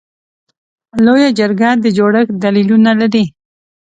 لویه جرګه د جوړښت دلیلونه لري.